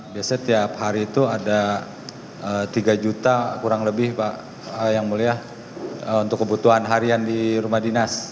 biasanya tiap hari itu ada tiga juta kurang lebih pak yang mulia untuk kebutuhan harian di rumah dinas